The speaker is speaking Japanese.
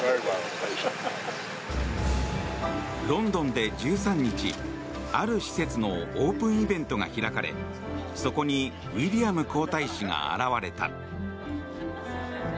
ロンドンで１３日、ある施設のオープンイベントが開かれそこにウィリアム皇太子が現れた。